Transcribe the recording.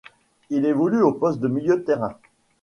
Il évolue au poste de milieu terrain.